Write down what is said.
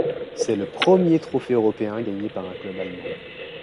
C'est le premier trophée européen gagné par un club allemand.